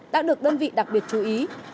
đã được đơn vị đặc biệt chú ý